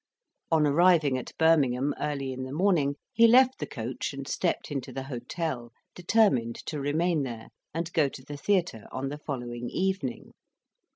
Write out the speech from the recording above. On arriving at Birmingham, early in the morning, he left the coach and stepped into the hotel, determined to remain there, and go to the theatre on the following evening.